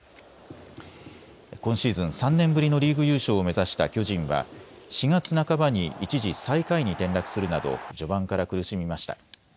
今シーズン、３年ぶりのリーグ優勝を目指した巨人は４月半ばに一時、最下位に転落するなど序盤から苦しみました。